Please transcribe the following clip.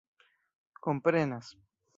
komprenas